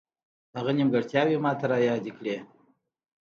هغه نیمګړتیاوې ماته را یادې کړې.